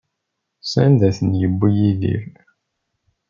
Sanda ay ten-yewwi Yidir?